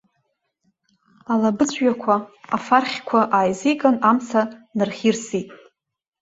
Алабыҵә ҩақәа, афархьқәа ааизиган, амца нархьирсит.